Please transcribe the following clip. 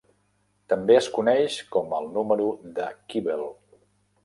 També es coneix com el número de Kibel.